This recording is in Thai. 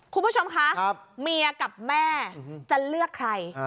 คุณผู้ชมคะเมียกับแม่จะเลือกใคร